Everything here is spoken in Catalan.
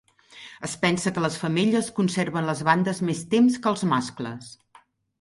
Es pensa que les femelles conserven les bandes més temps que els mascles.